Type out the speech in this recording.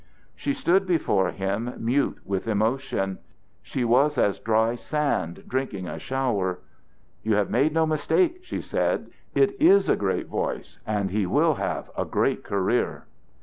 She stood before him mute with emotion. She was as dry sand drinking a shower. "You have made no mistake," she said. "It is a great voice and he will have a great career."